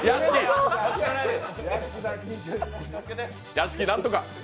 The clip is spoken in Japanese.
屋敷、なんとか。